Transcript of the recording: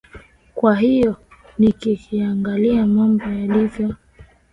kwa hiyo ni nikiangalia mambo yalivyo